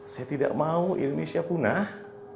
saya tidak mau indonesia punah